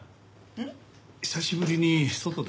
えっ？